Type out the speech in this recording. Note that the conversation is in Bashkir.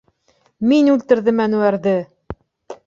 Мин үлтерҙем Әнүәрҙе!